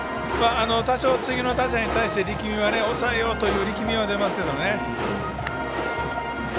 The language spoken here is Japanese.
多少、次の打者に対して抑えようという力みは出ますけどね。